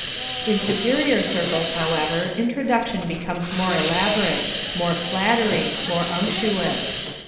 In superior circles, however, introduction becomes more elaborate, more flattering, more unctuous.